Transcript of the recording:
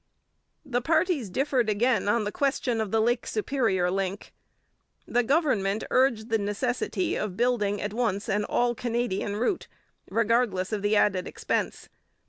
The parties differed, again, on the question of the Lake Superior link. The government urged the necessity of building at once an all Canadian route, regardless of the added expense.